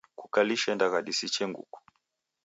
Kukalishe ndagha disiche nguku.